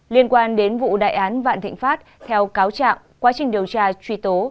liên quan đến vụ đại án vạn thịnh pháp theo cáo trạng quá trình điều tra truy tố